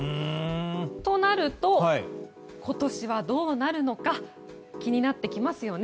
となると、今年はどうなるのか気になってきますよね。